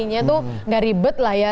nya tuh gak ribet lah ya